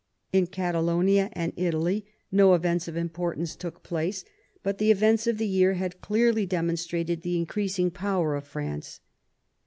In Catalonia and Italy no events of importance took place, but the events of the year had clearly demonstrated the increasing power of France.